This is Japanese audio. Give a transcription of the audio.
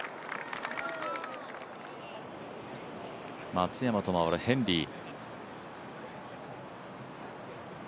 松山と回るヘンリー。